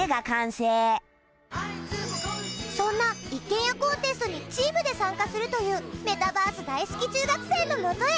そんな一軒家コンテストにチームで参加するというメタバース大好き中学生のもとへ。